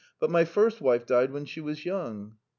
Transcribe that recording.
My first wife died when she was young.